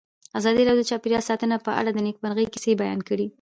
ازادي راډیو د چاپیریال ساتنه په اړه د نېکمرغۍ کیسې بیان کړې.